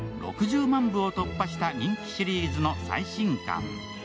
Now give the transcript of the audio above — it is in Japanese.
６０万分を突破した人気シリーズの最新刊。